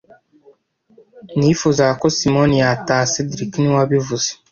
Nifuzaga ko Simoni yataha cedric niwe wabivuze